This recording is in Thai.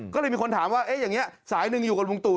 ก็เลยมีคนถามว่าสายหนึ่งอยู่กับลุงตู่